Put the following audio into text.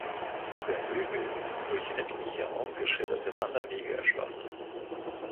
Der Högl ist durch etliche ausgeschilderte Wanderwege erschlossen.